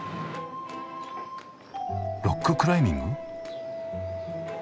「ロッククライミング」？